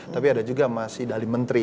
tapi ada juga masih dali menteri